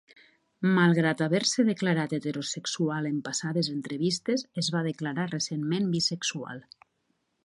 Malgrat haver-se declarat heterosexual en passades entrevistes, es va declarar recentment bisexual.